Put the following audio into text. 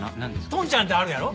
トンチャンってあるやろ？